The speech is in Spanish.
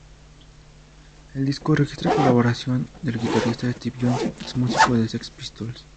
El disco registra colaboraciones del guitarrista Steve Jones, ex músico de Sex Pistols.